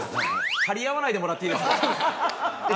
◆張り合わないでもらっていいですか。